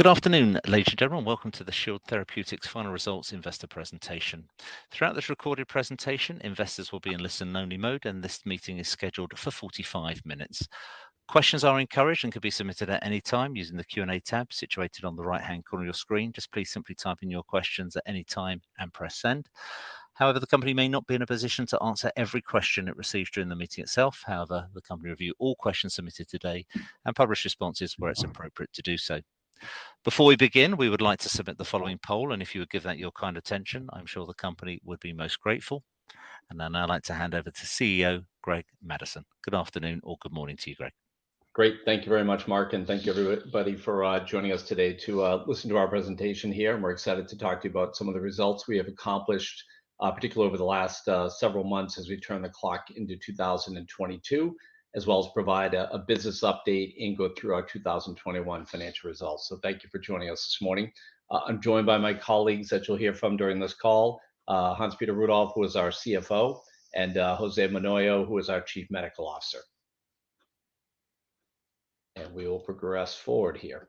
Good afternoon, ladies and gentlemen. Welcome to the Shield Therapeutics final results investor presentation. Throughout this recorded presentation, investors will be in listen only mode, and this meeting is scheduled for 45 minutes. Questions are encouraged and can be submitted at any time using the Q&A tab situated on the right-hand corner of your screen. Just please simply type in your questions at any time and press send. However, the company may not be in a position to answer every question it receives during the meeting itself. However, the company review all questions submitted today and publish responses where it's appropriate to do so. Before we begin, we would like to submit the following poll, and if you would give that your kind attention, I'm sure the company would be most grateful. Then I'd like to hand over to CEO Greg Madison. Good afternoon or good morning to you, Greg. Great. Thank you very much, Mark, and thank you everybody for joining us today to listen to our presentation here. We're excited to talk to you about some of the results we have accomplished, particularly over the last several months as we turn the clock into 2022, as well as provide a business update and go through our 2021 financial results. Thank you for joining us this morning. I'm joined by my colleagues that you'll hear from during this call, Hans Peter Hasler, who is our CFO, and Jose Menoyo, who is our Chief Medical Officer. We will progress forward here.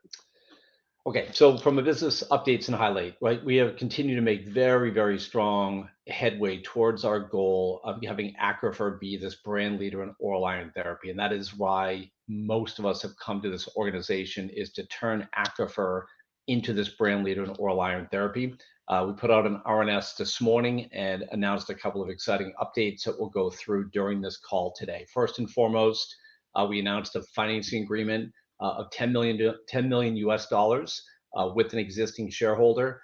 Okay. From a business updates and highlight, right? We have continued to make very, very strong headway towards our goal of having Accrufer be this brand leader in oral iron therapy. That is why most of us have come to this organization, is to turn Accrufer into this brand leader in oral iron therapy. We put out an RNS this morning and announced a couple of exciting updates that we'll go through during this call today. First and foremost, we announced a financing agreement of $10 million with an existing shareholder.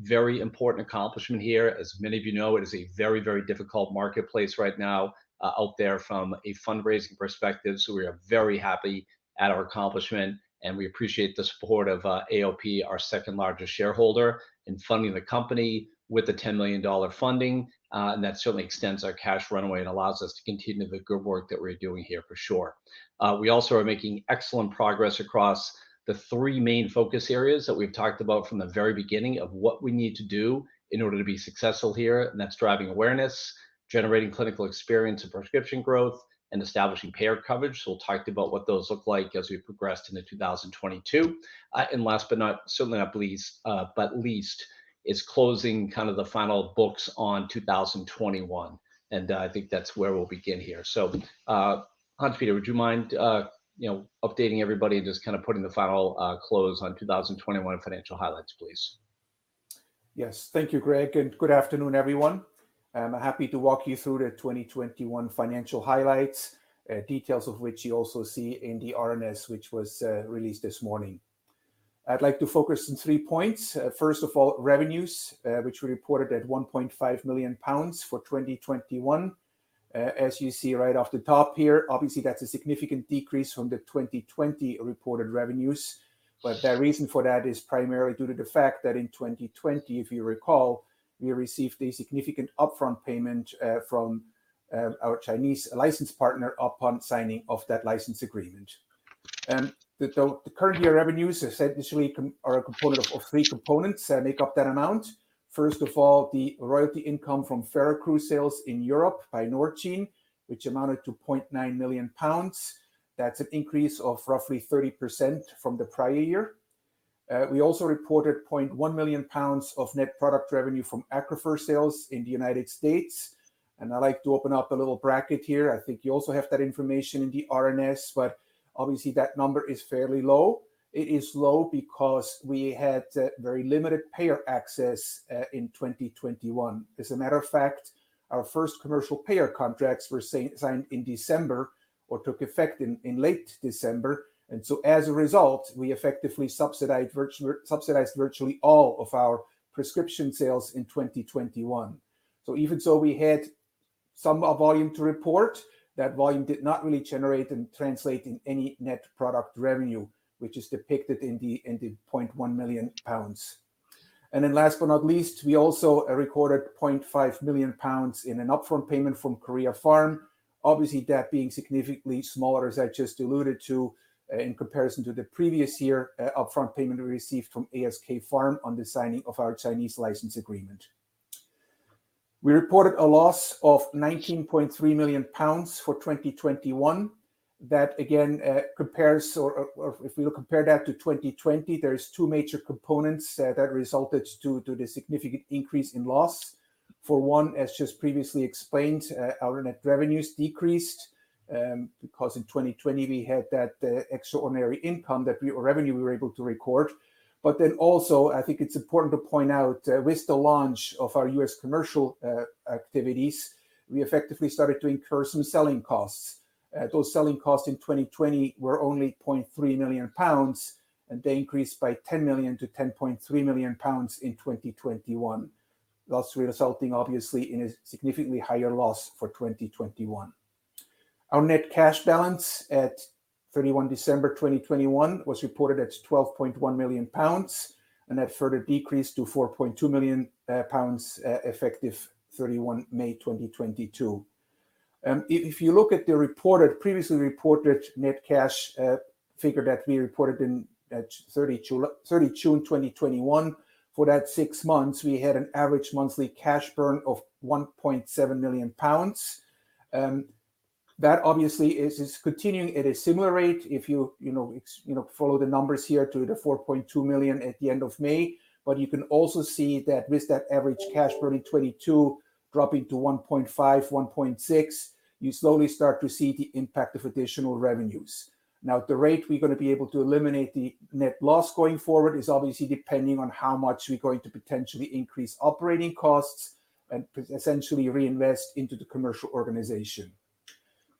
Very important accomplishment here. As many of you know, it is a very, very difficult marketplace right now out there from a fundraising perspective, so we are very happy at our accomplishment, and we appreciate the support of AOP, our second-largest shareholder, in funding the company with the $10 million funding. That certainly extends our cash runway and allows us to continue the good work that we're doing here for sure. We also are making excellent progress across the three main focus areas that we've talked about from the very beginning of what we need to do in order to be successful here, and that's driving awareness, generating clinical experience and prescription growth, and establishing payer coverage. We'll talk about what those look like as we progress into 2022. Last, but not least, is closing kind of the final books on 2021, and I think that's where we'll begin here. Hans Peter Hasler, would you mind, you know, updating everybody and just kind of putting the final close on 2021 financial highlights, please? Yes. Thank you, Greg. Good afternoon, everyone. I'm happy to walk you through the 2021 financial highlights, details of which you also see in the RNS, which was released this morning. I'd like to focus on three points. First of all, revenues, which we reported at 1.5 million pounds for 2021. As you see right off the top here, obviously that's a significant decrease from the 2020 reported revenues. The reason for that is primarily due to the fact that in 2020, if you recall, we received a significant upfront payment from our Chinese license partner upon signing of that license agreement. The current year revenues essentially or a component of three components make up that amount. First of all, the royalty income from Feraccru sales in Europe by Norgine, which amounted to 0.9 million pounds. That's an increase of roughly 30% from the prior year. We also reported 0.1 million pounds of net product revenue from Accrufer sales in the United States. I'd like to open up a little bracket here. I think you also have that information in the RNS, but obviously that number is fairly low. It is low because we had very limited payer access in 2021. As a matter of fact, our first commercial payer contracts were signed in December, or took effect in late December. As a result, we effectively subsidized virtually all of our prescription sales in 2021. Even so, we had some volume to report. That volume did not really generate and translate in any net product revenue, which is depicted in the 0.1 million pounds. Then last but not least, we also recorded 0.5 million pounds in an upfront payment from Korea Pharma. Obviously, that being significantly smaller, as I just alluded to, in comparison to the previous year upfront payment we received from ASK Pharm on the signing of our Chinese license agreement. We reported a loss of 19.3 million pounds for 2021. That again, if we compare that to 2020, there's two major components that resulted to the significant increase in loss. For one, as just previously explained, our net revenues decreased, because in 2020 we had that extraordinary income or revenue we were able to record. I think it's important to point out with the launch of our U.S. commercial activities, we effectively started to incur some selling costs. Those selling costs in 2020 were only 0.3 million pounds, and they increased by 10 million to 10.3 million pounds in 2021. Thus resulting, obviously, in a significantly higher loss for 2021. Our net cash balance at 31 December 2021 was reported at 12.1 million pounds, and that further decreased to 4.2 million pounds effective 31 May 2022. If you look at the previously reported net cash figure that we reported in 30 June 2021, for that six months, we had an average monthly cash burn of 1.7 million pounds. That obviously is continuing at a similar rate if you know, follow the numbers here to the 4.2 million at the end of May. You can also see that with that average cash burning 22 dropping to 1.5, 1.6, you slowly start to see the impact of additional revenues. Now, the rate we're gonna be able to eliminate the net loss going forward is obviously depending on how much we're going to potentially increase operating costs and essentially reinvest into the commercial organization.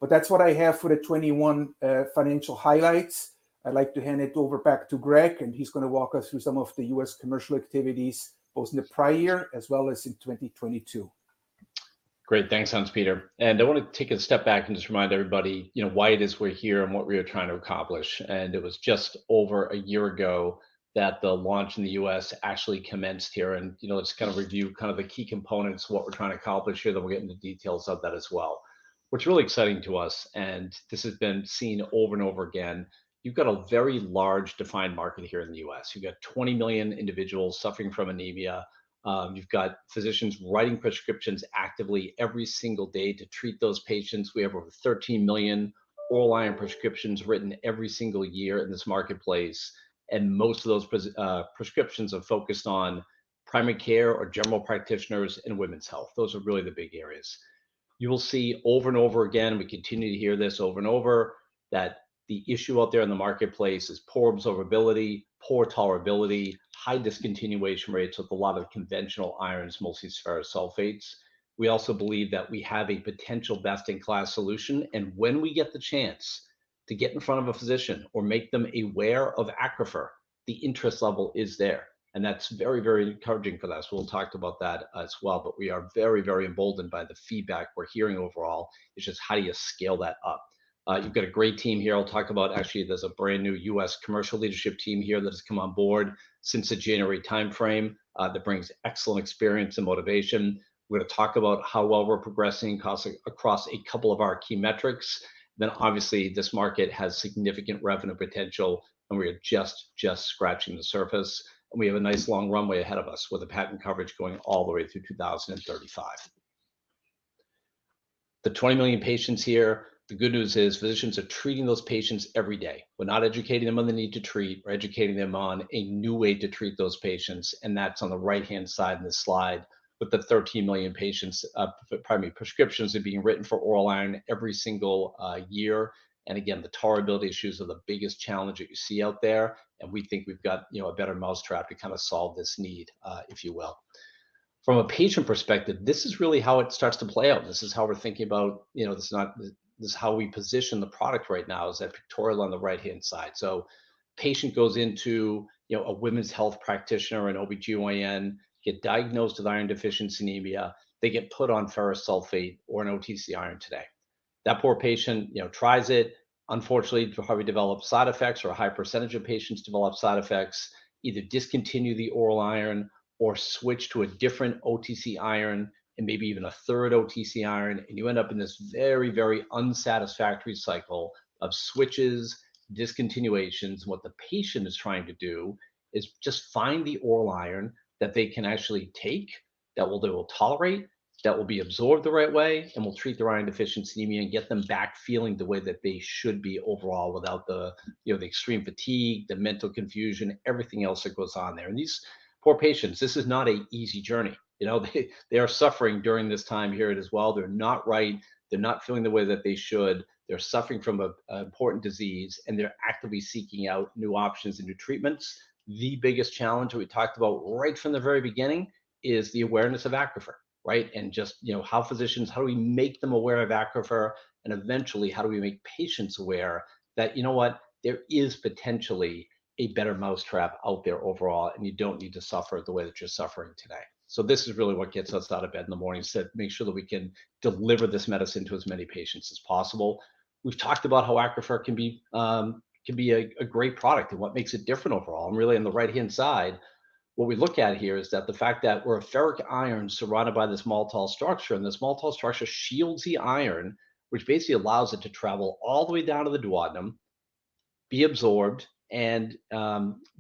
That's what I have for the 2021 financial highlights. I'd like to hand it over back to Greg, and he's gonna walk us through some of the U.S. commercial activities, both in the prior as well as in 2022. Great. Thanks, Hans-Peter. I wanna take a step back and just remind everybody, you know, why it is we're here and what we are trying to accomplish. It was just over a year ago that the launch in the U.S. actually commenced here. You know, let's kind of review the key components of what we're trying to accomplish here, then we'll get into details of that as well. What's really exciting to us, and this has been seen over and over again, you've got a very large defined market here in the US. You've got 20 million individuals suffering from anemia. You've got physicians writing prescriptions actively every single day to treat those patients. We have over 13 million oral iron prescriptions written every single year in this marketplace, and most of those prescriptions are focused on primary care or general practitioners and women's health. Those are really the big areas. You will see over and over again, we continue to hear this over and over, that the issue out there in the marketplace is poor absorbability, poor tolerability, high discontinuation rates with a lot of conventional irons, mostly ferrous sulfates. We also believe that we have a potential best-in-class solution, and when we get the chance to get in front of a physician or make them aware of Accrufer, the interest level is there, and that's very, very encouraging for us. We'll talk about that as well, but we are very, very emboldened by the feedback we're hearing overall. It's just how do you scale that up? You've got a great team here. I'll talk about actually there's a brand-new U.S. commercial leadership team here that has come on board since the January timeframe, that brings excellent experience and motivation. We're gonna talk about how well we're progressing across a couple of our key metrics. Then obviously, this market has significant revenue potential, and we are just scratching the surface. We have a nice long runway ahead of us, with the patent coverage going all the way through 2035. The 20 million patients here, the good news is physicians are treating those patients every day. We're not educating them on the need to treat. We're educating them on a new way to treat those patients, and that's on the right-hand side of the slide with the 13 million prescriptions are being written for oral iron every single year. Again, the tolerability issues are the biggest challenge that you see out there, and we think we've got, you know, a better mousetrap to kind of solve this need, if you will. From a patient perspective, this is really how it starts to play out. This is how we're thinking about, you know. This is how we position the product right now is that pictorial on the right-hand side. Patient goes into, you know, a women's health practitioner, an OBGYN, get diagnosed with iron deficiency anemia. They get put on ferrous sulfate or an OTC iron today. That poor patient, you know, tries it. Unfortunately, heavily developed side effects or a high percentage of patients develop side effects, either discontinue the oral iron or switch to a different OTC iron and maybe even a third OTC iron, and you end up in this very, very unsatisfactory cycle of switches, discontinuations. What the patient is trying to do is just find the oral iron that they can actually take, that they will tolerate, that will be absorbed the right way and will treat their iron deficiency anemia and get them back feeling the way that they should be overall without the, you know, the extreme fatigue, the mental confusion, everything else that goes on there. These poor patients, this is not an easy journey. You know, they are suffering during this time here as well. They're not right. They're not feeling the way that they should. They're suffering from an important disease, and they're actively seeking out new options and new treatments. The biggest challenge that we talked about right from the very beginning is the awareness of Accrufer, right? Just, you know, how physicians, how do we make them aware of Accrufer, and eventually, how do we make patients aware that, you know what? There is potentially a better mousetrap out there overall, and you don't need to suffer the way that you're suffering today. This is really what gets us out of bed in the morning is to make sure that we can deliver this medicine to as many patients as possible. We've talked about how Accrufer can be a great product and what makes it different overall. Really on the right-hand side, what we look at here is that the fact that we're a ferric iron surrounded by this maltol structure, and this maltol structure shields the iron, which basically allows it to travel all the way down to the duodenum, be absorbed and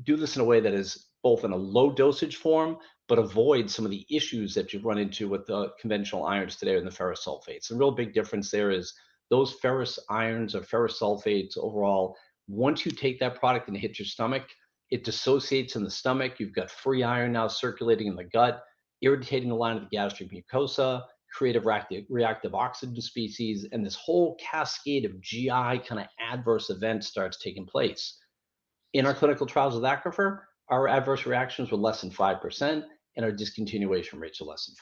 do this in a way that is both in a low dosage form but avoid some of the issues that you'd run into with the conventional irons today or the ferrous sulfates. The real big difference there is those ferrous irons or ferrous sulfates overall, once you take that product and it hits your stomach, it dissociates in the stomach. You've got free iron now circulating in the gut, irritating the lining of the gastric mucosa, creating a reactive oxygen species, and this whole cascade of GI kind of adverse events starts taking place. In our clinical trials with Accrufer, our adverse reactions were less than 5%, and our discontinuation rates were less than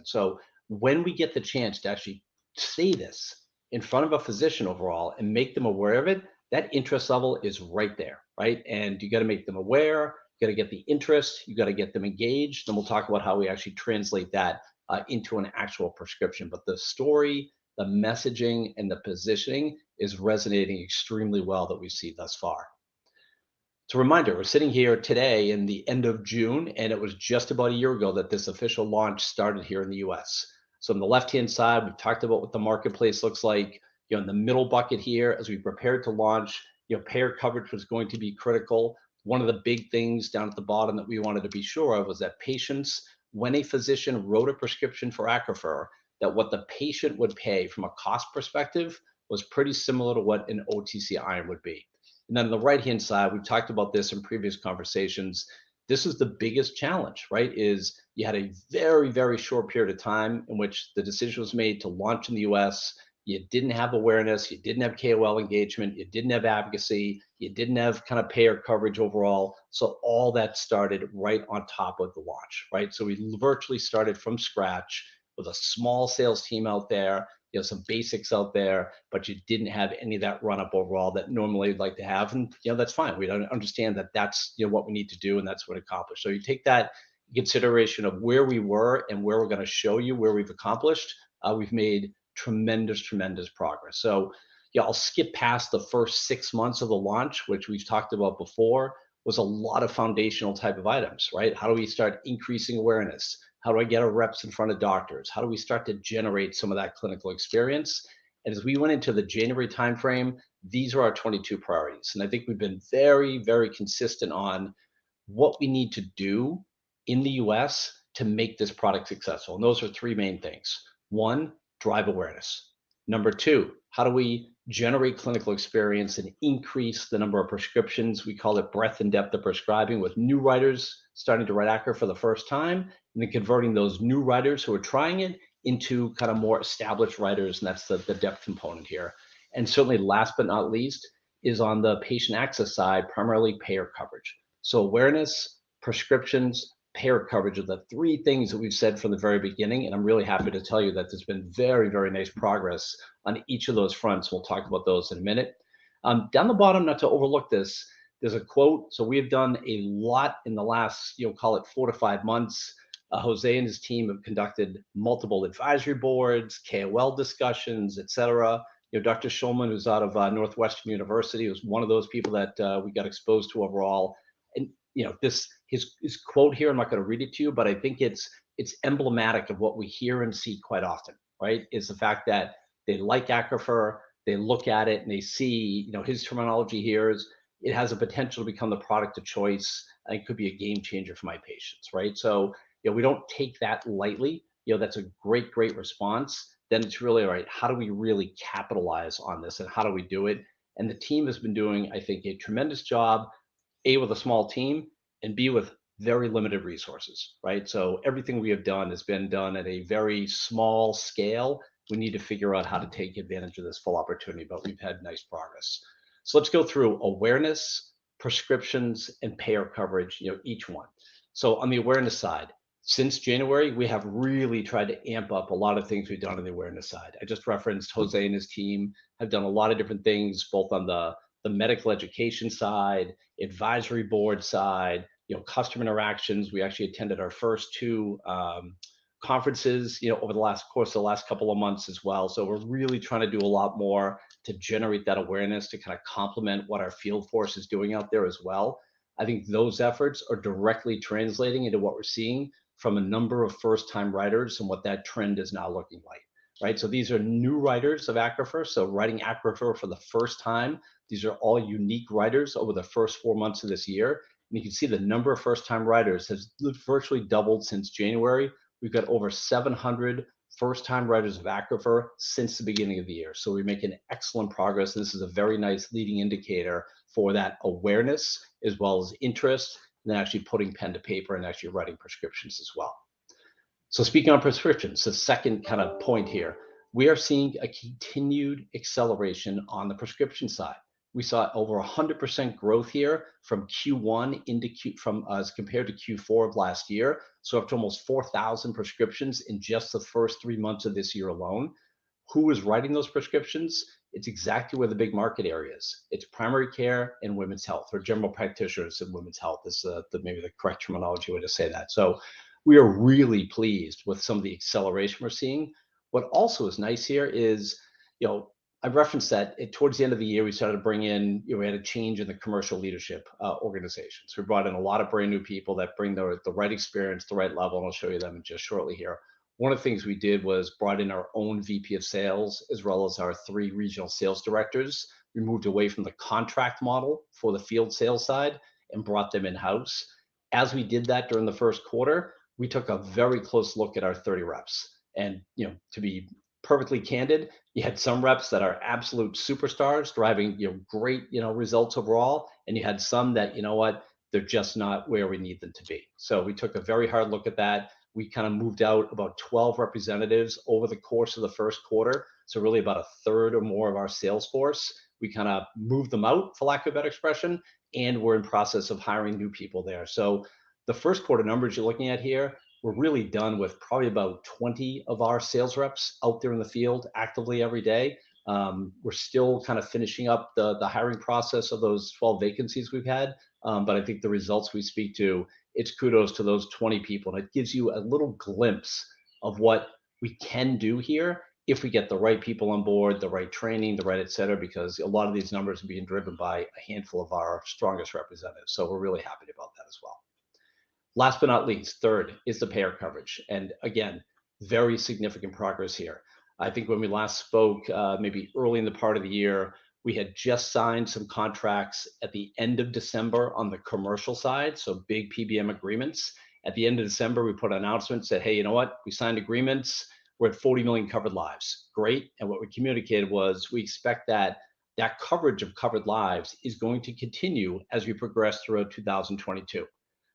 5%. When we get the chance to actually say this in front of a physician overall and make them aware of it, that interest level is right there, right? You gotta make them aware, you gotta get the interest, you gotta get them engaged, then we'll talk about how we actually translate that into an actual prescription. The story, the messaging, and the positioning is resonating extremely well that we've seen thus far. As a reminder, we're sitting here today at the end of June, and it was just about a year ago that this official launch started here in the U.S. On the left-hand side, we've talked about what the marketplace looks like. You know, in the middle bucket here, as we prepared to launch, you know, payer coverage was going to be critical. One of the big things down at the bottom that we wanted to be sure of was that patients, when a physician wrote a prescription for Accrufer, that what the patient would pay from a cost perspective was pretty similar to what an OTC iron would be. Then on the right-hand side, we've talked about this in previous conversations, this is the biggest challenge, right? Is you had a very, very short period of time in which the decision was made to launch in the U.S. You didn't have awareness, you didn't have KOL engagement, you didn't have advocacy, you didn't have kind of payer coverage overall. All that started right on top of the launch, right? We virtually started from scratch with a small sales team out there, you know, some basics out there, but you didn't have any of that run-up overall that normally you'd like to have. You know, that's fine. We understand that that's, you know, what we need to do and that's what accomplished. You take that consideration of where we were and where we're gonna show you where we've accomplished, we've made tremendous progress. Yeah, I'll skip past the first six months of the launch, which we've talked about before, was a lot of foundational type of items, right? How do we start increasing awareness? How do I get our reps in front of doctors? How do we start to generate some of that clinical experience? As we went into the January timeframe, these were our 22 priorities. I think we've been very, very consistent on what we need to do in the U.S. to make this product successful. Those are three main things. One, drive awareness. Number two, how do we generate clinical experience and increase the number of prescriptions? We call it breadth and depth of prescribing, with new writers starting to write Accrufer for the first time, and then converting those new writers who are trying it into kind of more established writers, and that's the depth component here. Certainly last but not least is on the patient access side, primarily payer coverage. Awareness, prescriptions, payer coverage are the three things that we've said from the very beginning, and I'm really happy to tell you that there's been very, very nice progress on each of those fronts. We'll talk about those in a minute. Down the bottom, not to overlook this, there's a quote. We have done a lot in the last, you know, call it four-five months. Jose and his team have conducted multiple advisory boards, KOL discussions, et cetera. You know, Dr. Shulman, who's out of Northwestern University, who's one of those people that we got exposed to overall. You know, this, his quote here, I'm not gonna read it to you, but I think it's emblematic of what we hear and see quite often, right? Is the fact that they like Accrufer, they look at it and they see, you know, his terminology here is, "It has a potential to become the product of choice, and it could be a game changer for my patients." Right? You know, we don't take that lightly. You know, that's a great response. It's really, all right, how do we really capitalize on this and how do we do it? The team has been doing, I think, a tremendous job, A, with a small team, and B, with very limited resources, right? Everything we have done has been done at a very small scale. We need to figure out how to take advantage of this full opportunity. We've had nice progress. Let's go through awareness, prescriptions, and payer coverage, you know, each one. On the awareness side, since January, we have really tried to amp up a lot of things we've done on the awareness side. I just referenced Jose and his team have done a lot of different things, both on the medical education side, advisory board side, you know, customer interactions. We actually attended our first two conferences, you know, over the last course of the last couple of months as well. We're really trying to do a lot more to generate that awareness to kind of complement what our field force is doing out there as well. I think those efforts are directly translating into what we're seeing from a number of first-time writers and what that trend is now looking like, right? These are new writers of Accrufer, so writing Accrufer for the first time. These are all unique writers over the first four months of this year. You can see the number of first-time writers has virtually doubled since January. We've got over 700 first-time writers of Accrufer since the beginning of the year, so we're making excellent progress, and this is a very nice leading indicator for that awareness as well as interest, and actually putting pen to paper and actually writing prescriptions as well. Speaking on prescriptions, the second kind of point here, we are seeing a continued acceleration on the prescription side. We saw over 100% growth here as compared to Q4 of last year, so up to almost 4,000 prescriptions in just the first three months of this year alone. Who is writing those prescriptions? It's exactly where the big market area is. It's primary care and women's health, or general practitioners and women's health is, maybe the correct terminology way to say that. We are really pleased with some of the acceleration we're seeing. What also is nice here is, you know, I've referenced that, towards the end of the year, we started to bring in, you know, we had a change in the commercial leadership, organization. We brought in a lot of brand-new people that bring the right experience, the right level, and I'll show you them just shortly here. One of the things we did was brought in our own VP of Sales, as well as our three regional sales directors. We moved away from the contract model for the field sales side and brought them in-house. As we did that during the first quarter, we took a very close look at our 30 reps. You know, to be perfectly candid, you had some reps that are absolute superstars driving, you know, great, you know, results overall, and you had some that, you know what? They're just not where we need them to be. We took a very hard look at that. We kind of moved out about 12 representatives over the course of the first quarter, so really about a third or more of our sales force. We kind of moved them out, for lack of a better expression, and we're in process of hiring new people there. The first quarter numbers you're looking at here, we're really down to probably about 20 of our sales reps out there in the field actively every day. We're still kind of finishing up the hiring process of those 12 vacancies we've had. I think the results we speak to, it's kudos to those 20 people, and it gives you a little glimpse of what we can do here if we get the right people on board, the right training, the right et cetera, because a lot of these numbers are being driven by a handful of our strongest representatives. We're really happy about that as well. Last but not least, third is the payer coverage. Again, very significant progress here. I think when we last spoke, maybe early in the part of the year, we had just signed some contracts at the end of December on the commercial side, so big PBM agreements. At the end of December, we put an announcement, said, "Hey, you know what? We signed agreements. We're at 40 million covered lives." Great. What we communicated was we expect that that coverage of covered lives is going to continue as we progress throughout 2022.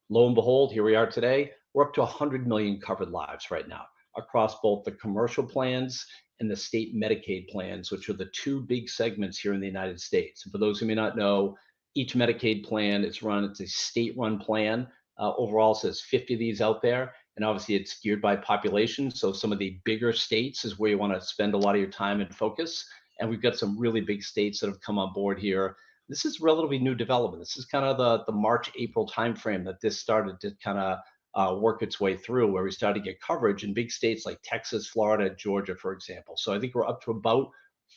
Lo and behold, here we are today. We're up to 100 million covered lives right now across both the commercial plans and the state Medicaid plans, which are the two big segments here in the United States. For those who may not know, each Medicaid plan, it's a state-run plan. Overall, there's 50 of these out there, and obviously it's skewed by population, so some of the bigger states is where you wanna spend a lot of your time and focus, and we've got some really big states that have come on board here. This is a relatively new development. This is kind of the March-April timeframe that this started to kinda work its way through, where we started to get coverage in big states like Texas, Florida, Georgia, for example. I think we're up to about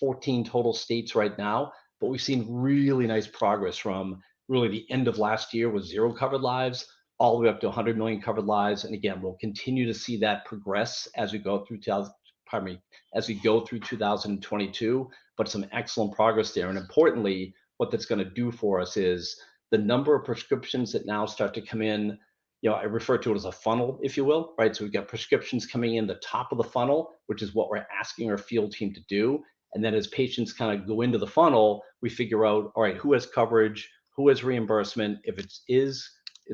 14 total states right now, but we've seen really nice progress from really the end of last year with zero covered lives all the way up to 100 million covered lives. Again, we'll continue to see that progress as we go through 2022, but some excellent progress there. Importantly, what that's gonna do for us is the number of prescriptions that now start to come in, you know, I refer to it as a funnel, if you will, right? We've got prescriptions coming in the top of the funnel, which is what we're asking our field team to do, and then as patients kinda go into the funnel, we figure out, all right, who has coverage? Who has reimbursement? If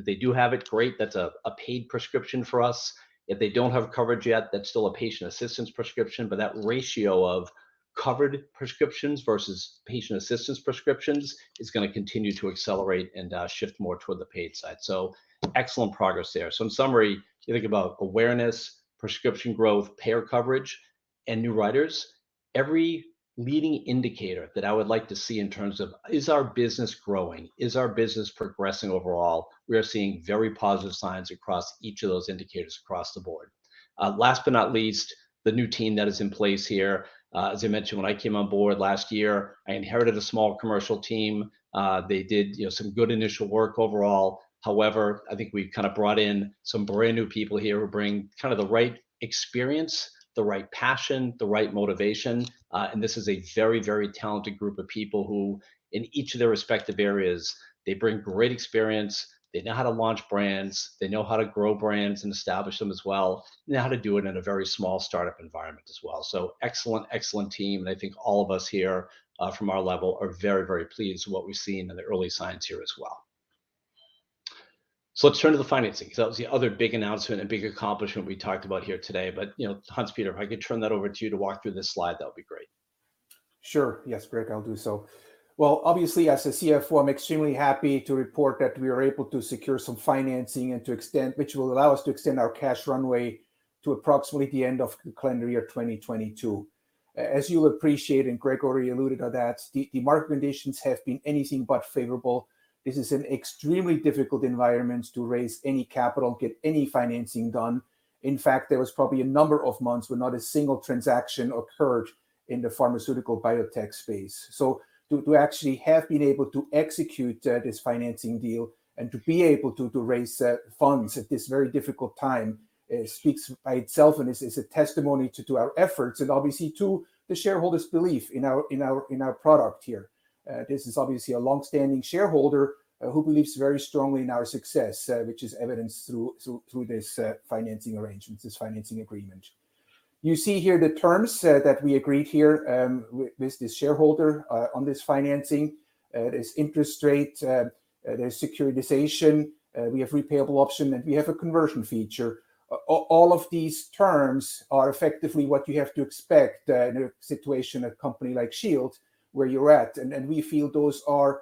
they do have it, great, that's a paid prescription for us. If they don't have coverage yet, that's still a patient assistance prescription, but that ratio of covered prescriptions versus patient assistance prescriptions is gonna continue to accelerate and shift more toward the paid side. Excellent progress there. In summary, you think about awareness, prescription growth, payer coverage, and new riders, every leading indicator that I would like to see in terms of is our business growing, is our business progressing overall, we are seeing very positive signs across each of those indicators across the board. Last but not least, the new team that is in place here. As I mentioned, when I came on board last year, I inherited a small commercial team. They did, you know, some good initial work overall. However, I think we've kind of brought in some brand-new people here who bring kind of the right experience, the right passion, the right motivation, and this is a very, very talented group of people who in each of their respective areas, they bring great experience, they know how to launch brands, they know how to grow brands and establish them as well. They know how to do it in a very small startup environment as well. Excellent, excellent team, and I think all of us here, from our level are very, very pleased with what we've seen in the early signs here as well. Let's turn to the financing, 'cause that was the other big announcement and big accomplishment we talked about here today. You know, Hans-Peter, if I could turn that over to you to walk through this slide, that would be great. Sure. Yes, Greg, I'll do so. Well, obviously, as the CFO, I'm extremely happy to report that we are able to secure some financing and to extend, which will allow us to extend our cash runway to approximately the end of the calendar year 2022. As you'll appreciate, and Greg already alluded to that, the market conditions have been anything but favorable. This is an extremely difficult environment to raise any capital, get any financing done. In fact, there was probably a number of months where not a single transaction occurred in the pharmaceutical biotech space. To actually have been able to execute this financing deal and to be able to raise funds at this very difficult time speaks by itself and is a testimony to our efforts and obviously to the shareholders' belief in our product here. This is obviously a long-standing shareholder who believes very strongly in our success which is evidenced through this financing arrangement, this financing agreement. You see here the terms that we agreed here with this shareholder on this financing. There's interest rate, there's securitization, we have repayable option, and we have a conversion feature. All of these terms are effectively what you have to expect in a situation, a company like Shield where you're at. We feel those are,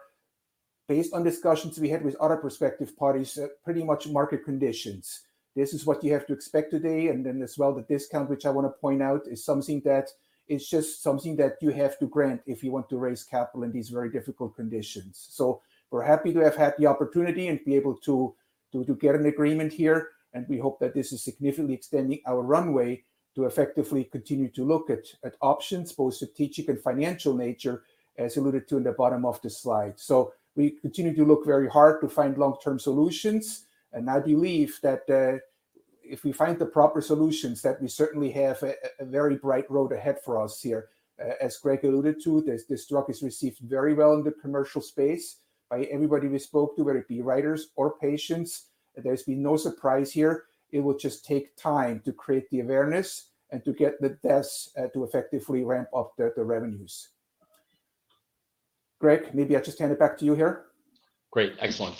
based on discussions we had with other prospective parties, pretty much market conditions. This is what you have to expect today, and then as well the discount, which I wanna point out, is something that is just something that you have to grant if you want to raise capital in these very difficult conditions. We're happy to have had the opportunity and be able to get an agreement here, and we hope that this is significantly extending our runway to effectively continue to look at options, both strategic and financial nature, as alluded to in the bottom of the slide. We continue to look very hard to find long-term solutions, and I believe that if we find the proper solutions, that we certainly have a very bright road ahead for us here. Greg alluded to, this drug is received very well in the commercial space by everybody we spoke to, whether it be writers or patients. There's been no surprise here. It will just take time to create the awareness and to get the tests to effectively ramp up the revenues. Greg, maybe I'll just hand it back to you here. Great. Excellent.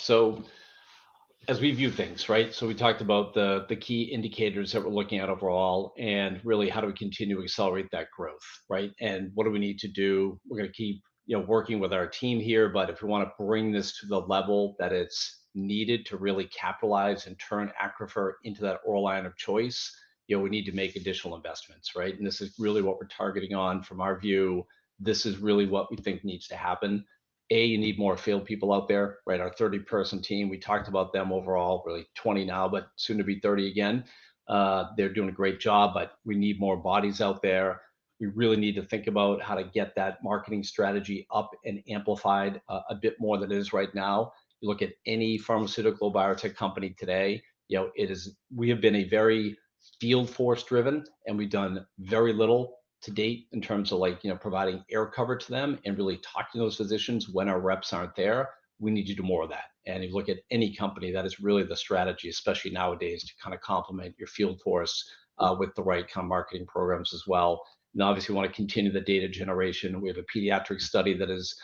As we view things, right? We talked about the key indicators that we're looking at overall, and really how do we continue to accelerate that growth, right? What do we need to do? We're gonna keep, you know, working with our team here, but if we wanna bring this to the level that it's needed to really capitalize and turn Accrufer into that oral line of choice, you know, we need to make additional investments, right? This is really what we're targeting on from our view. This is really what we think needs to happen. A, you need more field people out there, right? Our 30-person team, we talked about them overall, really 20 now, but soon to be 30 again. They're doing a great job, but we need more bodies out there. We really need to think about how to get that marketing strategy up and amplified a bit more than it is right now. You look at any pharmaceutical biotech company today, you know, it is we have been a very field force driven, and we've done very little to date in terms of like, you know, providing air cover to them and really talking to those physicians when our reps aren't there. We need to do more of that. If you look at any company, that is really the strategy, especially nowadays, to kind of complement your field force with the right kind of marketing programs as well. Obviously we wanna continue the data generation. We have a pediatric study that is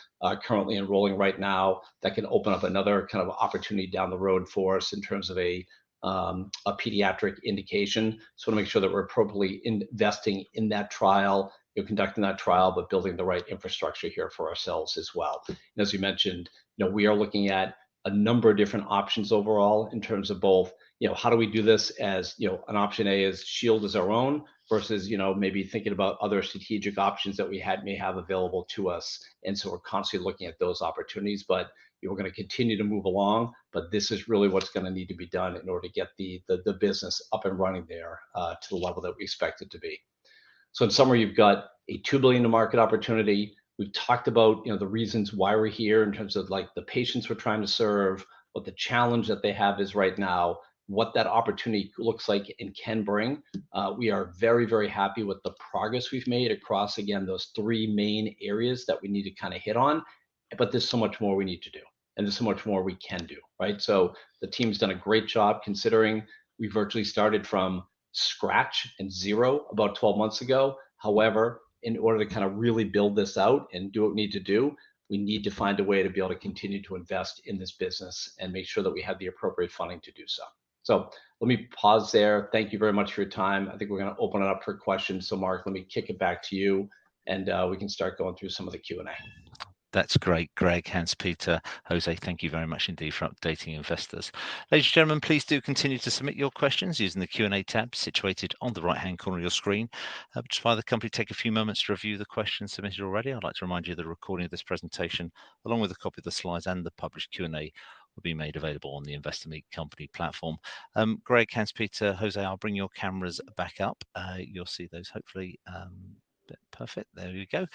currently enrolling right now that can open up another kind of opportunity down the road for us in terms of a pediatric indication. We wanna make sure that we're appropriately investing in that trial, you know, conducting that trial, but building the right infrastructure here for ourselves as well. As we mentioned, you know, we are looking at a number of different options overall in terms of both, you know, how do we do this as, you know, an option A as Shield as our own versus, you know, maybe thinking about other strategic options that we had, may have available to us. We're constantly looking at those opportunities. You know, we're gonna continue to move along, but this is really what's gonna need to be done in order to get the business up and running there, to the level that we expect it to be. In summary, you've got a 2 billion market opportunity. We've talked about, you know, the reasons why we're here in terms of like the patients we're trying to serve, what the challenge that they have is right now, what that opportunity looks like and can bring. We are very, very happy with the progress we've made across, again, those three main areas that we need to kind of hit on, but there's so much more we need to do and there's so much more we can do, right? The team's done a great job considering we virtually started from scratch and zero about 12 months ago. However, in order to kind of really build this out and do what we need to do, we need to find a way to be able to continue to invest in this business and make sure that we have the appropriate funding to do so. Let me pause there. Thank you very much for your time. I think we're gonna open it up for questions. Mark, let me kick it back to you, and we can start going through some of the Q&A. That's great. Greg, Hans Peter, Jose, thank you very much indeed for updating investors. Ladies and gentlemen, please do continue to submit your questions using the Q&A tab situated on the right-hand corner of your screen. Just while the company take a few moments to review the questions submitted already, I'd like to remind you the recording of this presentation along with a copy of the slides and the published Q&A will be made available on the Investor Meet Company platform. Greg, Hans Peter, Jose, I'll bring your cameras back up. You'll see those hopefully. Perfect. There we go.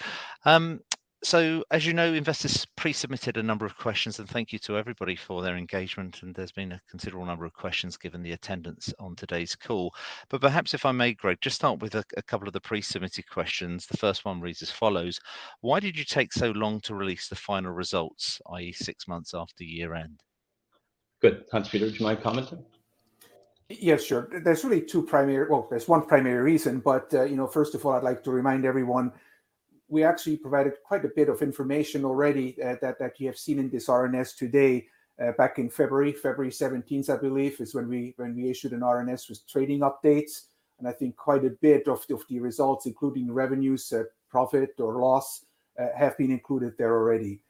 So as you know, investors pre-submitted a number of questions, and thank you to everybody for their engagement, and there's been a considerable number of questions given the attendance on today's call. Perhaps if I may, Greg, just start with a couple of the pre-submitted questions. The first one reads as follows: Why did you take so long to release the final results, i.e., six months after year-end? Good. Hans Peter, do you mind commenting? Yes, sure. Well, there's one primary reason, but you know, first of all, I'd like to remind everyone we actually provided quite a bit of information already that you have seen in this RNS today back in February. February 17th, I believe, is when we issued an RNS with trading updates, and I think quite a bit of the results, including revenues, profit or loss, have been included there already.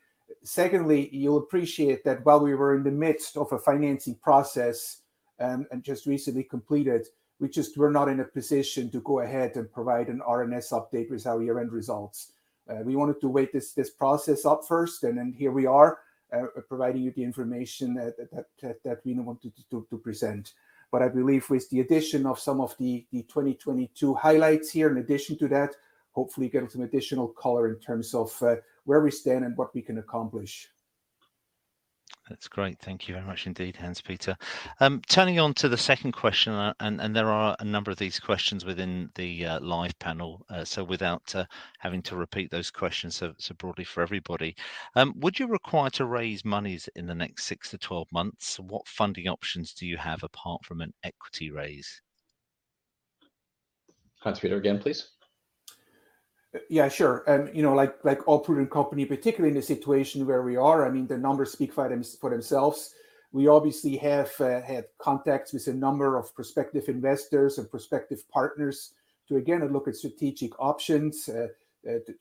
Secondly, you'll appreciate that while we were in the midst of a financing process and just recently completed, we just were not in a position to go ahead and provide an RNS update with our year-end results. We wanted to weigh this process up first and then here we are, providing you the information that we now wanted to present. I believe with the addition of some of the 2022 highlights here in addition to that, hopefully give it some additional color in terms of where we stand and what we can accomplish. That's great. Thank you very much indeed, Hans Peter. Turning to the second question, and there are a number of these questions within the live panel. So without having to repeat those questions so broadly for everybody, would you require to raise monies in the next six to 12 months? What funding options do you have apart from an equity raise? Hans Peter again, please. Yeah, sure. You know, like all prudent company, particularly in the situation where we are, I mean, the numbers speak for them, for themselves. We obviously have contacts with a number of prospective investors and prospective partners to again look at strategic options, to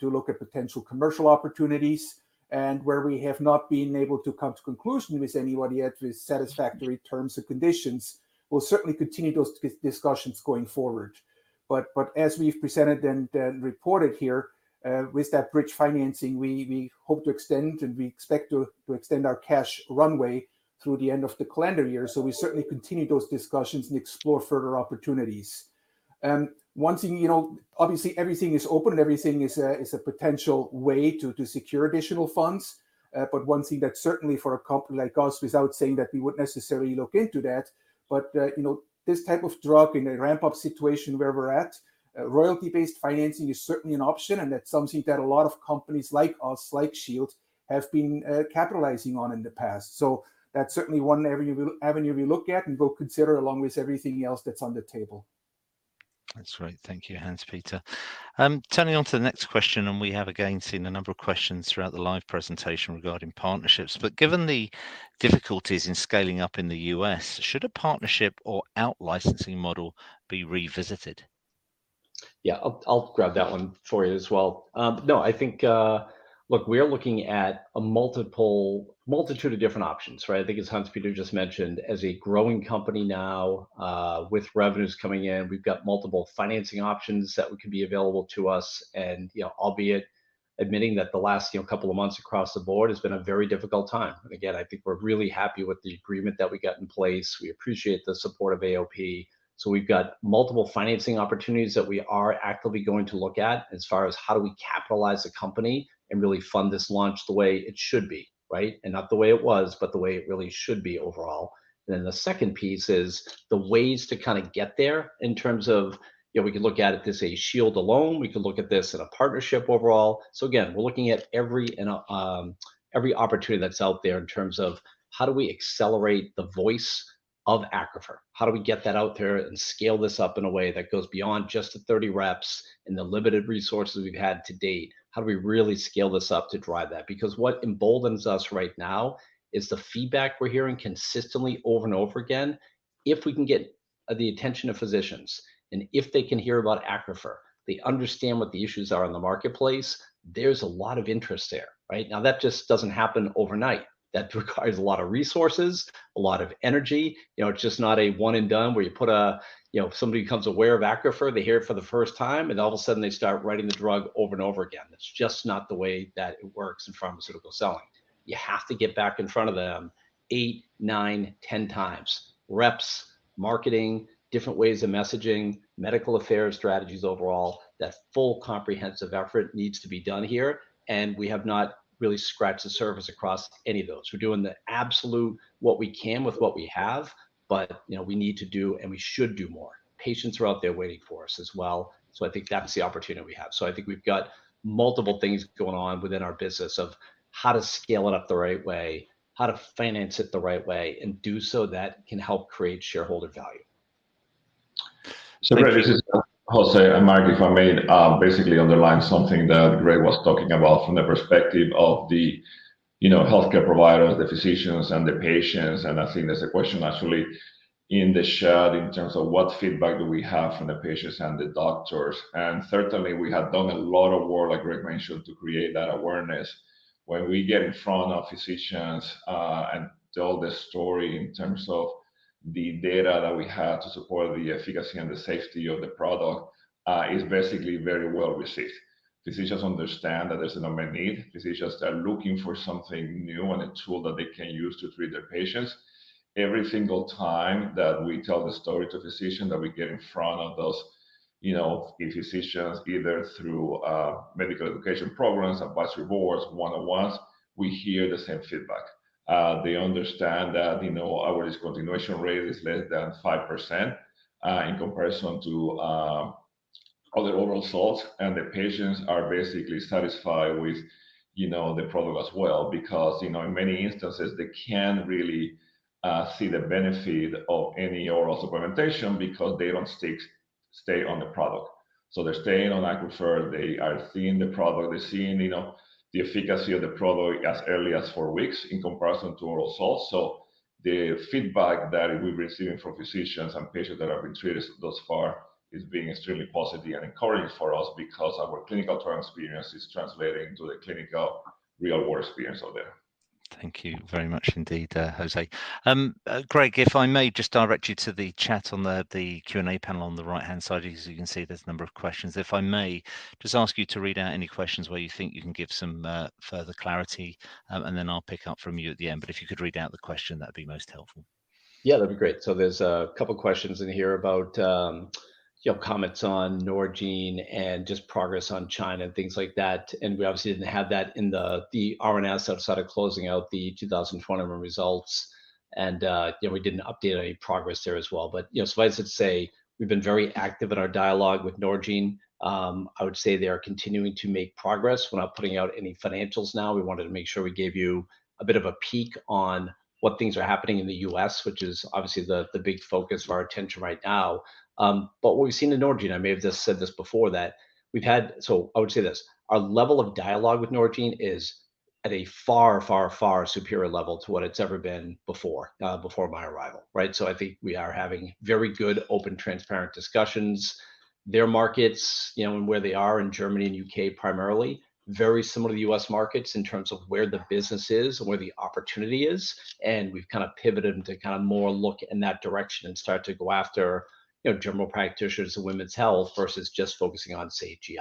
look at potential commercial opportunities. Where we have not been able to come to conclusion with anybody yet with satisfactory terms and conditions, we'll certainly continue those discussions going forward. As we've presented and reported here, with that bridge financing, we hope to extend and we expect to extend our cash runway through the end of the calendar year. We certainly continue those discussions and explore further opportunities. One thing, you know, obviously everything is open and everything is a potential way to secure additional funds. One thing that certainly for a company like us, without saying that we would necessarily look into that, but, you know, this type of drop in a ramp-up situation where we're at, royalty-based financing is certainly an option, and that's something that a lot of companies like us, like Shield, have been capitalizing on in the past. That's certainly one avenue we'll look at and will consider along with everything else that's on the table. That's great. Thank you, Hanspeter. Turning to the next question, and we have again seen a number of questions throughout the live presentation regarding partnerships. Given the difficulties in scaling up in the U.S., should a partnership or out-licensing model be revisited? Yeah. I'll grab that one for you as well. No, I think... Look, we are looking at a multitude of different options, right? I think as Hans Peter just mentioned, as a growing company now, with revenues coming in, we've got multiple financing options that could be available to us and, you know, albeit admitting that the last, you know, couple of months across the board has been a very difficult time. Again, I think we're really happy with the agreement that we got in place. We appreciate the support of AOP. We've got multiple financing opportunities that we are actively going to look at as far as how do we capitalize the company and really fund this launch the way it should be, right? And not the way it was, but the way it really should be overall. The second piece is the ways to kind of get there in terms of, you know, we can look at it this as a Shield alone, we can look at this in a partnership overall. We're looking at every opportunity that's out there in terms of how do we accelerate the voice of Accrufer? How do we get that out there and scale this up in a way that goes beyond just the 30 reps and the limited resources we've had to date? How do we really scale this up to drive that? Because what emboldens us right now is the feedback we're hearing consistently over and over again. If we can get the attention of physicians, and if they can hear about Accrufer, they understand what the issues are in the marketplace, there's a lot of interest there, right? Now, that just doesn't happen overnight. That requires a lot of resources, a lot of energy. You know, it's just not a one and done where You know, somebody becomes aware of Accrufer, they hear it for the first time, and all of a sudden they start writing the drug over and over again. That's just not the way that it works in pharmaceutical selling. You have to get back in front of them eight, nine, 10 times. Reps, marketing, different ways of messaging, medical affairs, strategies overall. That full comprehensive effort needs to be done here, and we have not really scratched the surface across any of those. We're doing the absolute what we can with what we have, but, you know, we need to do and we should do more. Patients are out there waiting for us as well. I think that's the opportunity we have. I think we've got multiple things going on within our business of how to scale it up the right way, how to finance it the right way, and do so that can help create shareholder value. Greg, this is Jose. Mark, if I may, basically underline something that Greg was talking about from the perspective of the, you know, healthcare providers, the physicians, and the patients. I think there's a question actually in the chat in terms of what feedback do we have from the patients and the doctors. Certainly, we have done a lot of work, like Greg mentioned, to create that awareness. When we get in front of physicians, and tell the story in terms of the data that we have to support the efficacy and the safety of the product, is basically very well received. Physicians understand that there's an unmet need. Physicians are looking for something new and a tool that they can use to treat their patients. Every single time that we tell the story to a physician, that we get in front of those, you know, if physicians either through medical education programs, advisory boards, one-on-ones, we hear the same feedback. They understand that, you know, our discontinuation rate is less than 5% in comparison to other oral salts. The patients are basically satisfied with, you know, the product as well because, you know, in many instances, they can't really see the benefit of any oral supplementation because they don't stay on the product. They're staying on Accrufer. They are seeing the product. They're seeing, you know, the efficacy of the product as early as four weeks in comparison to oral salts. The feedback that we're receiving from physicians and patients that have been treated thus far is being extremely positive and encouraging for us because our clinical trial experience is translating to the clinical real-world experience out there. Thank you very much indeed, Jose. Greg, if I may just direct you to the chat on the Q&A panel on the right-hand side. As you can see, there's a number of questions. If I may just ask you to read out any questions where you think you can give some further clarity, and then I'll pick up from you at the end. If you could read out the question, that'd be most helpful. Yeah, that'd be great. There's a couple questions in here about, you know, comments on Norgine and just progress on China and things like that. We obviously didn't have that in the RNS outside of closing out the 2021 results. You know, we didn't update any progress there as well. You know, suffice it to say, we've been very active in our dialogue with Norgine. I would say they are continuing to make progress. We're not putting out any financials now. We wanted to make sure we gave you a bit of a peek on what things are happening in the U.S., which is obviously the big focus of our attention right now. What we've seen in Norgine, I may have just said this before, that we've had. I would say this. Our level of dialogue with Norgine is at a far superior level to what it's ever been before my arrival, right? I think we are having very good, open, transparent discussions. Their markets, you know, and where they are in Germany and U.K. primarily, very similar to U.S. markets in terms of where the business is and where the opportunity is, and we've kind of pivoted into kind of more look in that direction and start to go after, you know, general practitioners and women's health versus just focusing on, say, GI.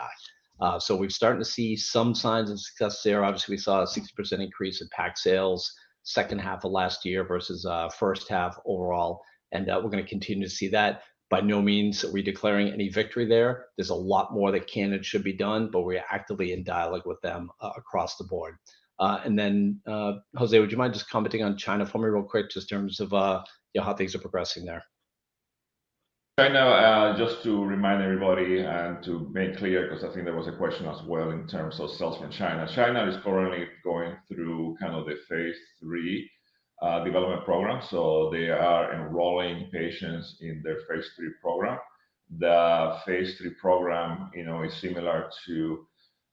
We're starting to see some signs of success there. Obviously, we saw a 60% increase in pack sales second half of last year versus first half overall. We're gonna continue to see that. By no means are we declaring any victory there. There's a lot more that can and should be done, but we're actively in dialogue with them across the board. Jose, would you mind just commenting on China for me real quick just in terms of, you know, how things are progressing there? I know, just to remind everybody and to make clear, because I think there was a question as well in terms of sales from China. China is currently going through kind of the phase III development program. They are enrolling patients in their phase III program. The phase III program, you know, is similar to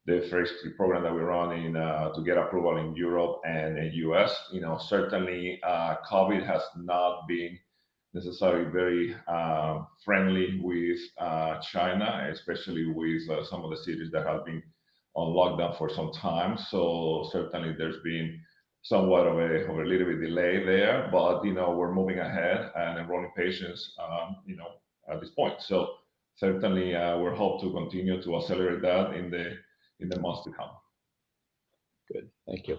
the phase III program that we're running to get approval in Europe and in U.S. You know, certainly, COVID has not been necessarily very friendly with China, especially with some of the cities that have been on lockdown for some time. Certainly there's been somewhat of a little bit delay there. You know, we're moving ahead and enrolling patients, you know, at this point. Certainly, we hope to continue to accelerate that in the months to come. Good. Thank you.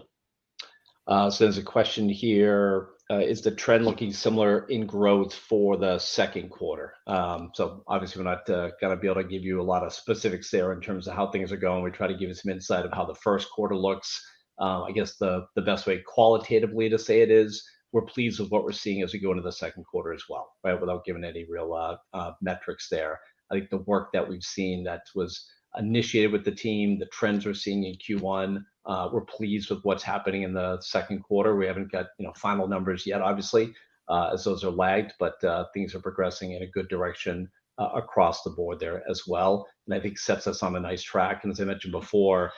There's a question here, is the trend looking similar in growth for the second quarter? Obviously we're not gonna be able to give you a lot of specifics there in terms of how things are going. We tried to give you some insight of how the first quarter looks. I guess the best way qualitatively to say it is we're pleased with what we're seeing as we go into the second quarter as well, right? Without giving any real metrics there. I think the work that we've seen that was initiated with the team, the trends we're seeing in Q1, we're pleased with what's happening in the second quarter. We haven't got, you know, final numbers yet obviously, as those are lagged, but, things are progressing in a good direction across the board there as well and I think sets us on a nice track. As I mentioned before,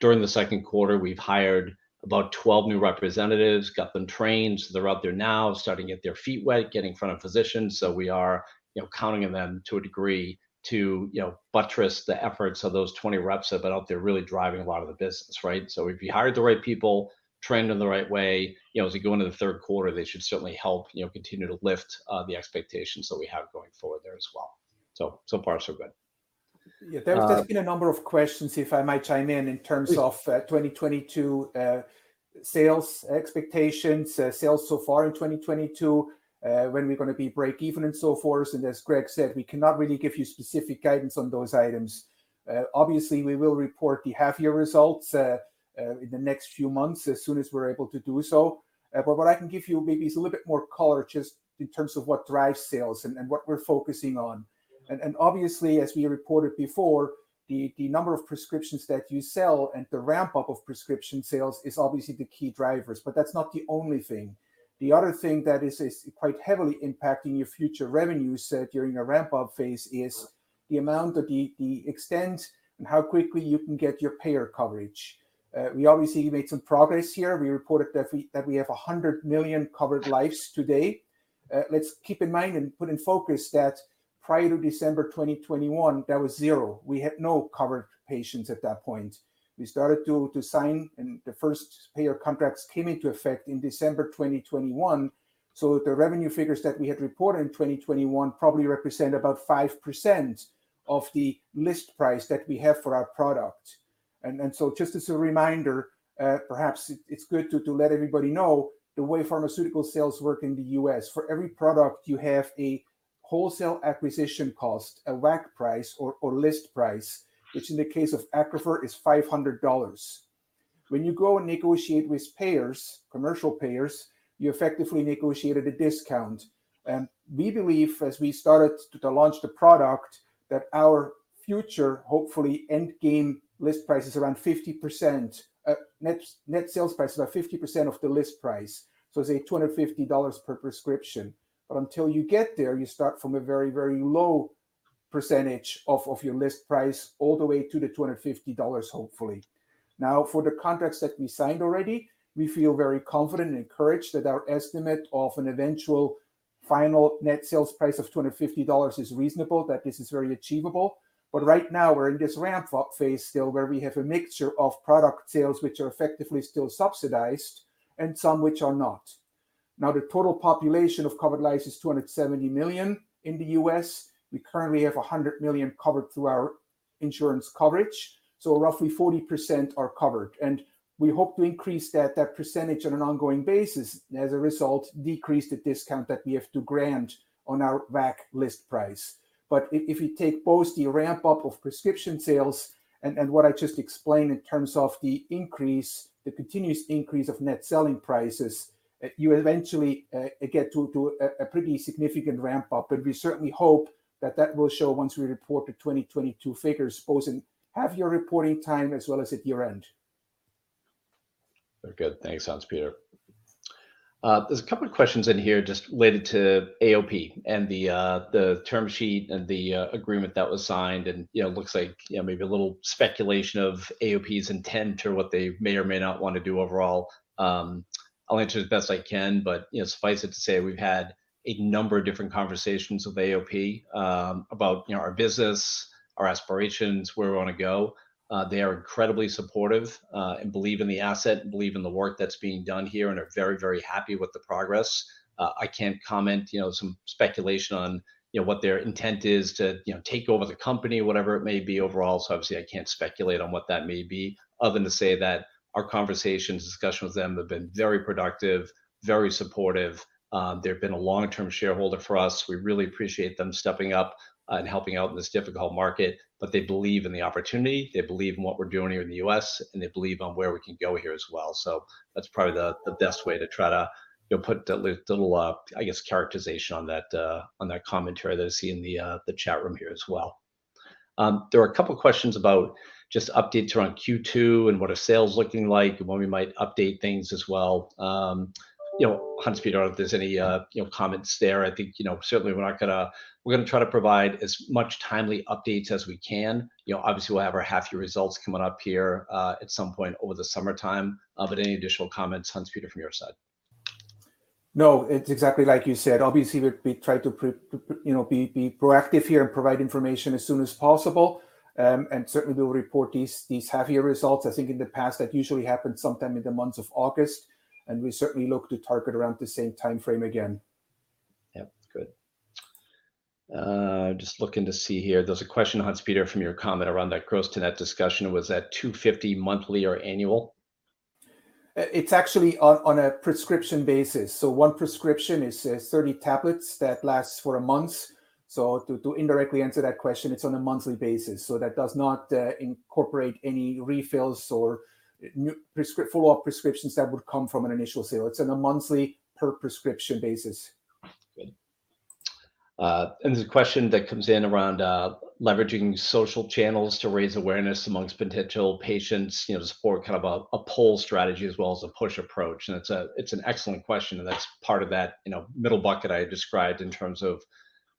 during the second quarter we've hired about 12 new representatives, got them trained, so they're out there now starting to get their feet wet, getting in front of physicians. We are, you know, counting on them to a degree to, you know, buttress the efforts of those 20 reps that are out there really driving a lot of the business, right? We've hired the right people, trending the right way. You know, as we go into the third quarter, they should certainly help, you know, continue to lift, the expectations that we have going forward there as well. So far so good. Yeah. Um. There's just been a number of questions, if I might chime in. Please Of 2022, sales expectations, sales so far in 2022, when we're gonna be breakeven and so forth. As Greg said, we cannot really give you specific guidance on those items. Obviously we will report the half-year results in the next few months, as soon as we're able to do so. What I can give you maybe is a little bit more color just in terms of what drives sales and what we're focusing on. Obviously as we reported before, the number of prescriptions that you sell and the ramp up of prescription sales is obviously the key drivers, but that's not the only thing. The other thing that is quite heavily impacting your future revenues during a ramp up phase is the extent and how quickly you can get your payer coverage. We obviously made some progress here. We reported that we have 100 million covered lives today. Let's keep in mind and put in focus that prior to December 2021, that was zero. We had no covered patients at that point. We started to sign, and the first payer contracts came into effect in December 2021. The revenue figures that we had reported in 2021 probably represent about 5% of the list price that we have for our product. Just as a reminder, perhaps it's good to let everybody know the way pharmaceutical sales work in the U.S. For every product you have a wholesale acquisition cost, a WAC price or list price, which in the case of Accrufer is $500. When you go and negotiate with payers, commercial payers, you effectively negotiated a discount. We believe as we started to launch the product, that our future hopefully end game list price is around 50%, net sales prices are 50% of the list price, so say $250 per prescription. Until you get there, you start from a very low percentage of your list price all the way to the $250 hopefully. Now, for the contracts that we signed already, we feel very confident and encouraged that our estimate of an eventual final net sales price of $250 is reasonable, that this is very achievable. Right now we're in this ramp up phase still where we have a mixture of product sales which are effectively still subsidized and some which are not. Now, the total population of covered lives is 270 million in the U.S. We currently have 100 million covered through our insurance coverage, so roughly 40% are covered, and we hope to increase that percentage on an ongoing basis, and as a result, decrease the discount that we have to grant on our WAC list price. If you take both the ramp up of prescription sales and what I just explained in terms of the increase, the continuous increase of net selling prices, you eventually get to a pretty significant ramp up. We certainly hope that will show once we report the 2022 figures, both in half-year reporting time as well as at year-end. Very good. Thanks, Hans Peter. There's a couple of questions in here just related to AOP and the term sheet and the agreement that was signed and, you know, looks like, you know, maybe a little speculation of AOP's intent or what they may or may not wanna do overall. I'll answer as best I can, but, you know, suffice it to say, we've had a number of different conversations with AOP about, you know, our business, our aspirations, where we wanna go. They are incredibly supportive and believe in the asset and believe in the work that's being done here and are very, very happy with the progress. I can't comment, you know, some speculation on, you know, what their intent is to, you know, take over the company, whatever it may be overall, so obviously I can't speculate on what that may be, other than to say that our conversations, discussion with them have been very productive, very supportive. They've been a long-term shareholder for us. We really appreciate them stepping up and helping out in this difficult market. They believe in the opportunity, they believe in what we're doing here in the U.S, and they believe on where we can go here as well. That's probably the best way to try to, you know, put the little, I guess, characterization on that commentary that I see in the chat room here as well. There were a couple questions about just updates around Q2 and what are sales looking like and when we might update things as well. You know, Hans Peter, I don't know if there's any, you know, comments there. I think, you know, certainly we're gonna try to provide as much timely updates as we can. You know, obviously we'll have our half-year results coming up here, at some point over the summertime. But any additional comments, Hans Peter, from your side? No. It's exactly like you said. Obviously we try to, you know, be proactive here and provide information as soon as possible. Certainly we'll report these half-year results. I think in the past that usually happened sometime in the month of August, and we certainly look to target around the same timeframe again. Yeah. Good. Just looking to see here. There's a question, Hans Peter, from your comment around that gross-to-net discussion. Was that 250 monthly or annual? It's actually on a prescription basis. One prescription is 30 tablets that lasts for a month. To indirectly answer that question, it's on a monthly basis. That does not incorporate any refills or follow-up prescriptions that would come from an initial sale. It's on a monthly per prescription basis. Great. There's a question that comes in around leveraging social channels to raise awareness among potential patients, you know, to support kind of a pull strategy as well as a push approach, and it's an excellent question. That's part of that, you know, middle bucket I had described in terms of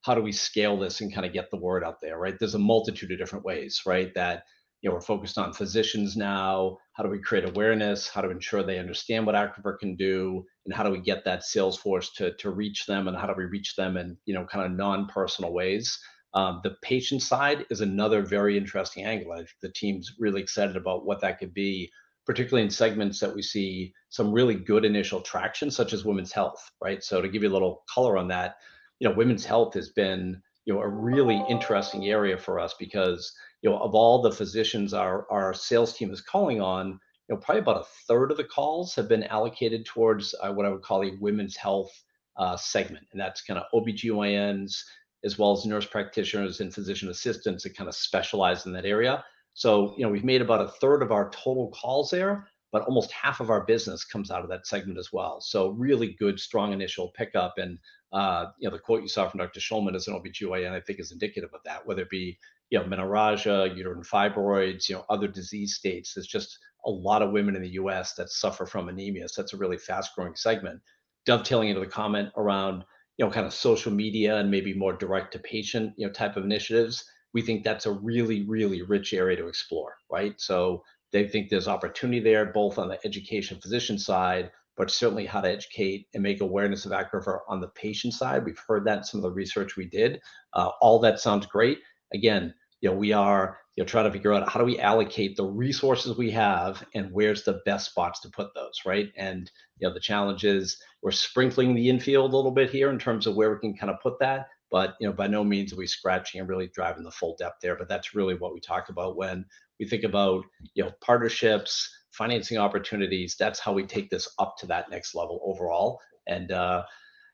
how do we scale this and kinda get the word out there, right? There's a multitude of different ways, right? That, you know, we're focused on physicians now, how do we create awareness, how to ensure they understand what Accrufer can do, and how do we get that sales force to reach them, and how do we reach them in, you know, kind of non-personal ways. The patient side is another very interesting angle. The team's really excited about what that could be, particularly in segments that we see some really good initial traction, such as women's health, right? To give you a little color on that, you know, women's health has been, you know, a really interesting area for us because, you know, of all the physicians our sales team is calling on, you know, probably about a third of the calls have been allocated towards what I would call a women's health segment. That's kinda OBGYNs as well as nurse practitioners and physician assistants that kinda specialize in that area. You know, we've made about a third of our total calls there, but almost half of our business comes out of that segment as well. Really good, strong initial pickup and, you know, the quote you saw from Dr. Shulman as an OBGYN I think is indicative of that, whether it be, you know, menorrhagia, uterine fibroids, you know, other disease states. There's just a lot of women in the U.S. that suffer from anemia, so that's a really fast-growing segment. Dovetailing into the comment around, you know, kind of social media and maybe more direct to patient, you know, type of initiatives, we think that's a really, really rich area to explore, right? So they think there's opportunity there both on the education physician side, but certainly how to educate and make awareness of Accrufer on the patient side. We've heard that in some of the research we did. All that sounds great. Again, you know, we are, you know, trying to figure out how do we allocate the resources we have and where's the best spots to put those, right? You know, the challenge is we're sprinkling the infield a little bit here in terms of where we can kind of put that, but, you know, by no means are we scratching and really driving the full depth there. That's really what we talk about when we think about, you know, partnerships, financing opportunities. That's how we take this up to that next level overall.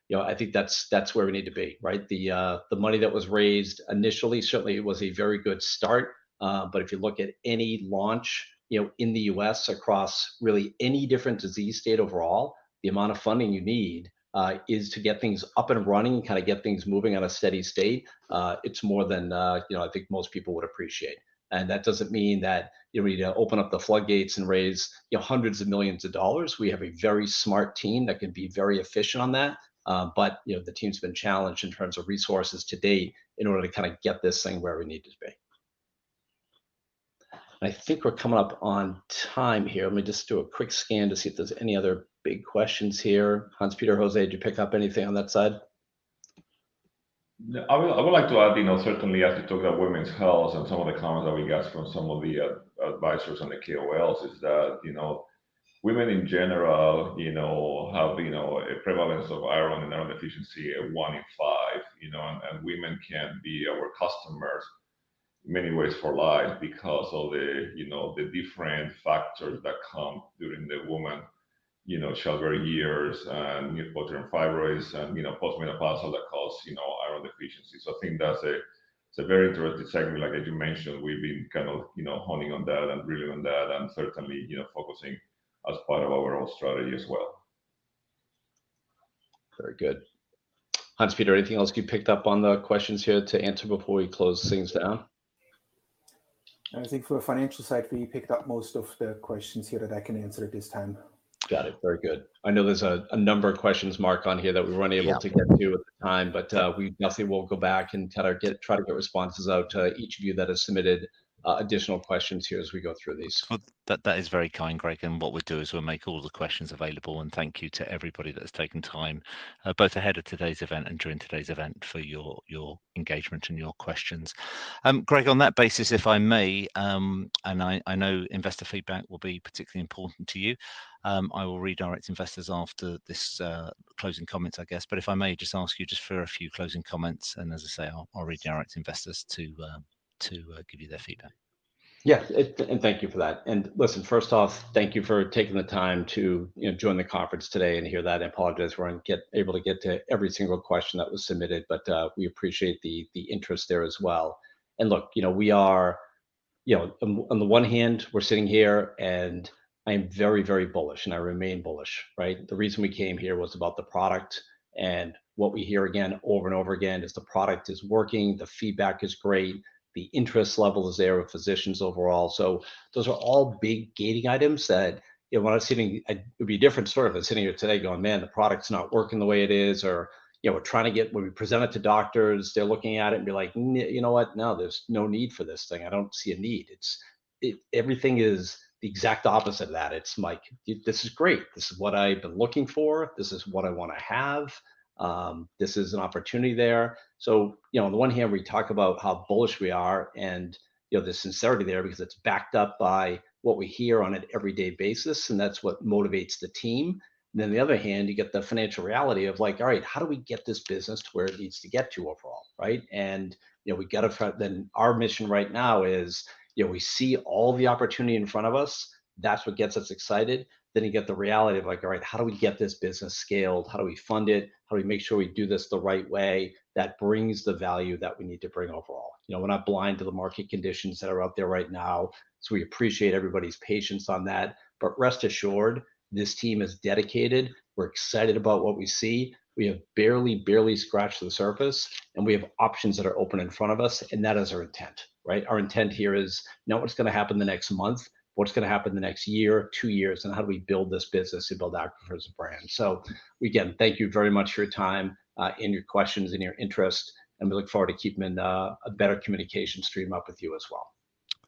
You know, I think that's where we need to be, right? The money that was raised initially certainly was a very good start, but if you look at any launch, you know, in the U.S. across really any different disease state overall, the amount of funding you need is to get things up and running and kinda get things moving on a steady state, it's more than, you know, I think most people would appreciate. That doesn't mean that we need to open up the floodgates and raise, you know, hundreds of millions of dollars. We have a very smart team that can be very efficient on that, but, you know, the team's been challenged in terms of resources to date in order to kinda get this thing where we need it to be. I think we're coming up on time here. Let me just do a quick scan to see if there's any other big questions here. Hans Peter, Jose, did you pick up anything on that side? Yeah. I would like to add, you know, certainly as we talk about women's health and some of the comments that we get from some of the advisors and the KOLs is that, you know, women in general, you know, have, you know, a prevalence of iron and iron deficiency at one in five, you know. Women can be our customers in many ways for life because all the, you know, the different factors that come during the woman, you know, childbearing years, uterine fibroids and, you know, postmenopausal that cause, you know, iron deficiency. I think that's a very interesting segment. Like as you mentioned, we've been kind of, you know, honing on that and really on that and certainly, you know, focusing as part of our overall strategy as well. Very good. Hans Peter, anything else you picked up on the questions here to answer before we close things down? I think for the financial side, we picked up most of the questions here that I can answer at this time. Got it. Very good. I know there's a number of questions marked on here that we were unable. Yeah to get to at the time, but we definitely will go back and try to get responses out to each of you that has submitted additional questions here as we go through these. Well, that is very kind, Greg, and what we'll do is we'll make all the questions available. Thank you to everybody that has taken time, both ahead of today's event and during today's event, for your engagement and your questions. Greg, on that basis, if I may, and I know investor feedback will be particularly important to you, I will redirect investors after this, closing comments, I guess. If I may just ask you for a few closing comments, and as I say, I'll redirect investors to give you their feedback. Yeah. Thank you for that. Listen, first off, thank you for taking the time to, you know, join the conference today and hear that. I apologize we weren't able to get to every single question that was submitted, but we appreciate the interest there as well. Look, you know, we are, you know, on the one hand we're sitting here, and I'm very, very bullish, and I remain bullish, right? The reason we came here was about the product, and what we hear again, over and over again is the product is working, the feedback is great, the interest level is there with physicians overall. Those are all big gating items that, you know, when I was sitting. It would be a different story if I was sitting here today going, "Man, the product's not working the way it is," or, you know, When we present it to doctors, they're looking at it and be like, "You know what? No, there's no need for this thing. I don't see a need." Everything is the exact opposite of that. It's like, "This is great. This is what I've been looking for. This is what I wanna have. This is an opportunity there." So, you know, on the one hand, we talk about how bullish we are and, you know, the sincerity there because it's backed up by what we hear on an everyday basis, and that's what motivates the team. On the other hand, you get the financial reality of like, all right, how do we get this business to where it needs to get to overall, right? You know, our mission right now is, you know, we see all the opportunity in front of us. That's what gets us excited. You get the reality of like, all right, how do we get this business scaled? How do we fund it? How do we make sure we do this the right way that brings the value that we need to bring overall? You know, we're not blind to the market conditions that are out there right now, so we appreciate everybody's patience on that. Rest assured, this team is dedicated. We're excited about what we see. We have barely scratched the surface, and we have options that are open in front of us, and that is our intent, right? Our intent here is not what's gonna happen in the next month, what's gonna happen in the next year or two years, and how do we build this business to build Accrufer as a brand. Again, thank you very much for your time, and your questions and your interest, and we look forward to keeping a better communication stream up with you as well.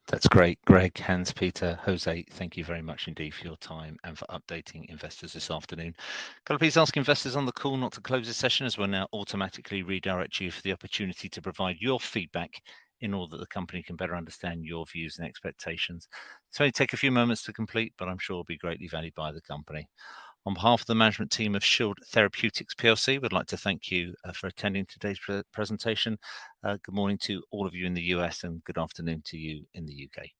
That's great, Greg. Hans Peter, Jose, thank you very much indeed for your time and for updating investors this afternoon. Can I please ask investors on the call not to close this session, as we'll now automatically redirect you for the opportunity to provide your feedback in order that the company can better understand your views and expectations. This will only take a few moments to complete, but I'm sure it'll be greatly valued by the company. On behalf of the management team of Shield Therapeutics plc, we'd like to thank you for attending today's pre-presentation. Good morning to all of you in the U.S., and good afternoon to you in the U.K.